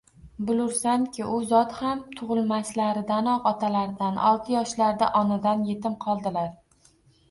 Bilursanki, u zotham tug'ilmaslaridanoq otalaridan, olti yoshlarida onadan yetim qoldilar.